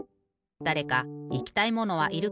だれかいきたいものはいるか？